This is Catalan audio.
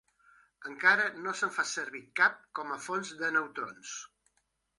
Encara no se'n fa servir cap com a fonts de neutrons.